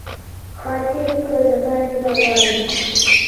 حتی که زما ژبه وايي.